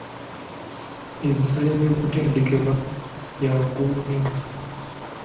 Ebisale by'okutendekebwa bya waggulu nnyo.